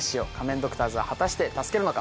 ドクターズは果たして助けるのか？